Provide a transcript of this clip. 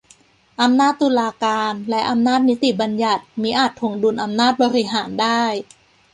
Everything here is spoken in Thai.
อำนาจตุลาการ และอำนาจนิติบัญญัติ มิอาจถ่วงดุลอำนาจบริหารได้